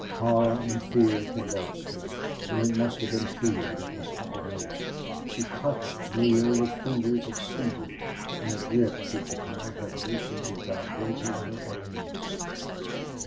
Horror and fear convulsed her, and it must have been fear that was uppermost. She clutched Neale with fingers of steel, in a grip he could not have loosened without breaking her bones.